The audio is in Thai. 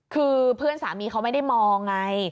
คือเพื่อนสามีเขาไม่ได้มองไง